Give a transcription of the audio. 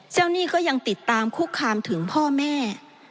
หนี้ก็ยังติดตามคุกคามถึงพ่อแม่